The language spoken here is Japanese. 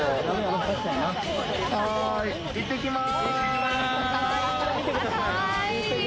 行ってきます。